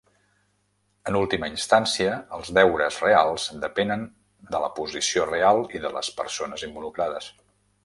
En última instància, els deures reals depenen de la posició real i de les persones involucrades.